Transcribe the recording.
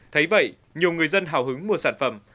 thấy vậy nhiều người dân hào hứng mua sản phẩm